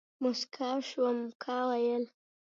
موسکا شوم ، کا ويل ،